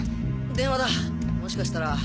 電話だもしかしたら。